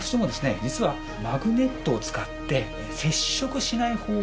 実はマグネットを使って接触しない方法